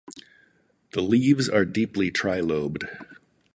The leaves are deeply trilobed.